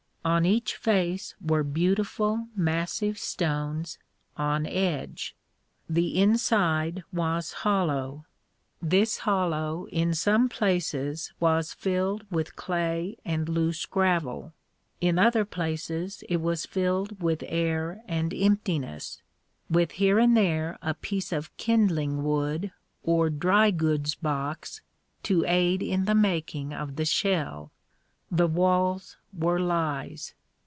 On each face were beautiful, massive stones on edge. The inside was hollow. This hollow in some places was filled with clay and loose gravel. In other places it was filled with air and emptiness, with here and there a piece of kindling wood or dry goods box, to aid in the making of the shell. The walls were lies.